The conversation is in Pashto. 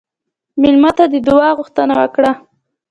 مېلمه ته د دعا غوښتنه وکړه.